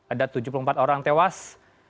ada tujuh puluh empat orang tewas